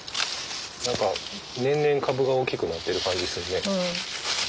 何か年々株が大きくなってる感じするね。